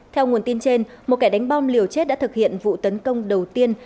theo nguồn tin trên một kẻ đánh bom liều chết đã thực hiện vụ tấn công đầu tiên